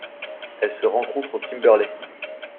Elle se rencontre au Kimberley.